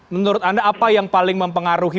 menurut anda apa yang paling mempengaruhi